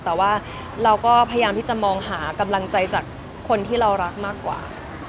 แต่ว่าเราก็พยายามที่จะมองหากำลังใจจากคนที่เรารักมากกว่า